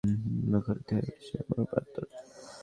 করতালি আর উল্লাস ধ্বনিতে মুখরিত হয়ে উঠছে মরুপ্রান্তর।